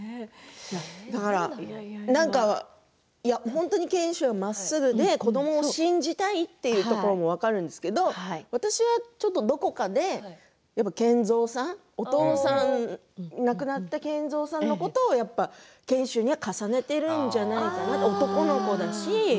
本当に賢秀はまっすぐで子どもを信じたいというところも分かるんですけれど私はちょっとどこかでやっぱり賢三さん、お父さん亡くなった賢三さんのことを賢秀に重ねているんじゃないかなと男の子だし。